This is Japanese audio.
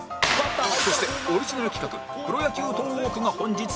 そしてオリジナル企画プロ野球トーークが本日公開